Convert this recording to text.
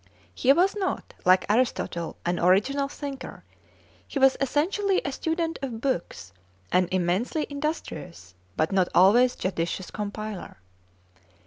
He was not, like Aristotle, an original thinker; he was essentially a student of books, an immensely industrious but not always judicious compiler.